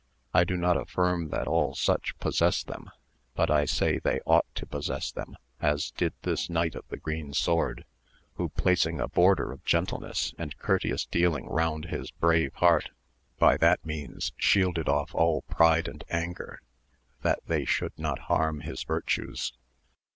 I do not affirm that all such possess them, but I say they ought to possess them as did AMADIS OF GAUL 301 this Knight of the Green Sword, who, placing a border of gentleness and courteous dealing round his brave heart, by that means shielded off all pride and anger that they should not harm his virtues.